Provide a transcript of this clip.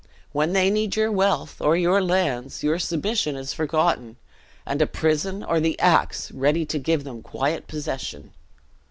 When they need your wealth, or your lands, your submission is forgotten, and a prison, or the ax, ready to give them quiet possession."